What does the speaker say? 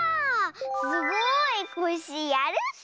すごいコッシーやるッス。